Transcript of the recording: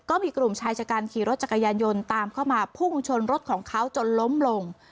ก็มีกลุ่มชายชะกันขี่รถจักรยานยนต์ตามเข้ามาพุ่งชนรถของเขาจนล้มลง